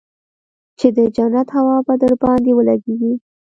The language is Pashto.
چې د جنت هوا به درباندې ولګېږي.